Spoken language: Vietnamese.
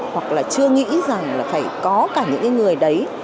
hoặc là chưa nghĩ rằng là phải có cả những người đấy